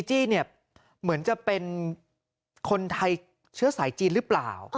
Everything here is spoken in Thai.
จี้เนี่ยเหมือนจะเป็นคนไทยเชื้อสายจีนหรือเปล่า